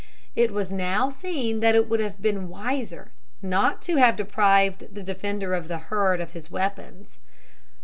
It was now seen that it would have been wiser not to have deprived the defender of the herd of his weapons.